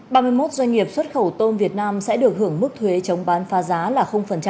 ba mươi một doanh nghiệp xuất khẩu tôm việt nam sẽ được hưởng mức thuế chống bán pha giá là